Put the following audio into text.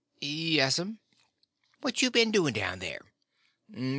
"Yes'm." "What you been doing down there?"